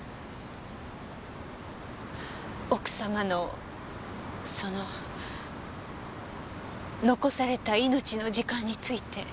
奥様のその残された命の時間について。